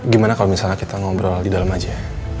gimana kalau misalnya kita ngobrol di dalam aja